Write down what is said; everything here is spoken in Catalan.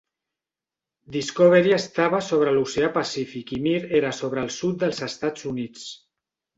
"Discovery" estava sobre l'oceà Pacífic i "Mir" era sobre el sud dels Estats Units.